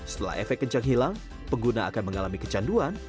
setelah efek kencang hilang pengguna akan mengalami kecanduan